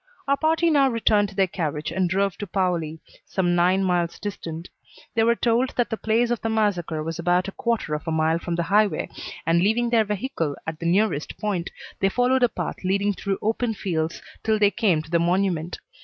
Our party now returned to their carriage and drove to Paoli some nine miles distant. They were told that the place of the massacre was about a quarter of a mile from the highway, and leaving their vehicle at the nearest point, they followed a path leading through open fields till they came to the monument.